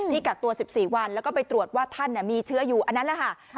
ที่กักตัวสิบสี่วันแล้วก็ไปตรวจว่าท่านเนี่ยมีเชื้ออยู่อันนั้นแหละค่ะ